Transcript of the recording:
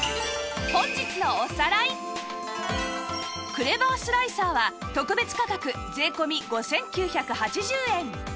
クレバースライサーは特別価格税込５９８０円